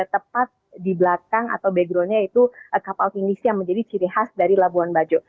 tepat di belakang atau backgroundnya itu kapal finis yang menjadi ciri khas dari labuan bajo